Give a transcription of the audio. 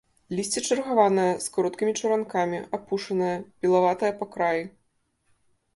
Лісце чаргаванае, з кароткімі чаранкамі, апушанае, пілаватае па краі.